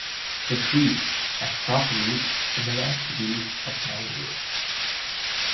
The trees have prop roots similar to those of mangroves.